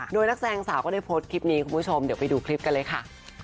โดยนักแสดงสาวก็ได้โพสต์คลิปนี้คุณผู้ชมเดี๋ยวไปดูคลิปกันเลยค่ะ